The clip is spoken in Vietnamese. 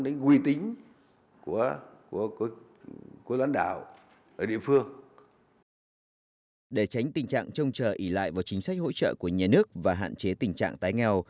để tránh tình trạng trông chờ ỉ lại vào chính sách hỗ trợ của nhà nước và hạn chế tình trạng tái nghèo